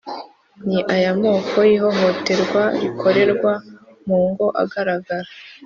Ni ayahe moko y’ihohoterwa rikorerwa mu ngo agaragara